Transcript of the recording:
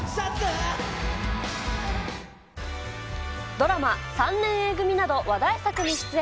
ドラマ、３年Ａ組など話題作に出演。